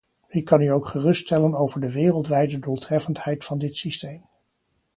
Ik kan u ook geruststellen over de wereldwijde doeltreffendheid van dit systeem.